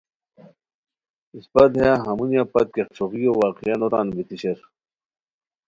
اسپہ دیہہ ہمونیہ پت کیہ ݯھوغیو واقعہ نو تان بیتی شیر